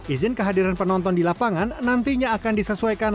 izin kehadiran penonton di lapangan nantinya akan disesuaikan